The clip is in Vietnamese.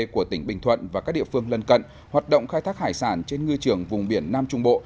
của tỉnh bình thuận và các địa phương lân cận hoạt động khai thác hải sản trên ngư trường vùng biển nam trung bộ